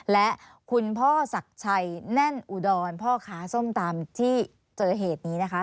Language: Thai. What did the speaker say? และคุณพ่อศักดิ์ชัยแน่นอุดรพ่อค้าส้มตำที่เจอเหตุนี้นะคะ